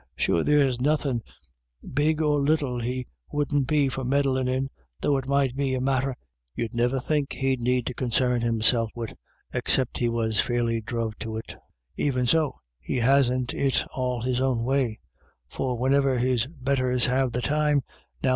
Sure there's nothin', big or little, he wouldn't be for meddlin' in, though it might be a matter you'd niver think he'd need to consarn himself wid, 'xcipt he was fairly dhruv to it And even so, he hasn't it all his own way ; for wheniver his Betters have the time, now 256 IRISH IDYLLS.